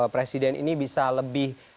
presiden ini bisa lebih